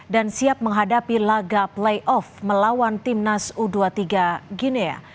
dan siap menghadapi laga playoff melawan timnas u dua puluh tiga guinea